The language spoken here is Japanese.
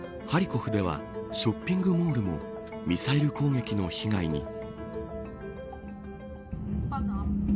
ハリコフではショッピングモールもミサイル攻撃の被害に。